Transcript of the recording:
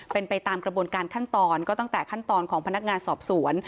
เป็นไปตามกระบวนการขั้นตอนก็ตั้งแต่ขั้นตอนของพนักงานสอบสวน